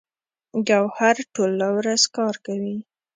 ګوهر ټوله ورځ کار کوي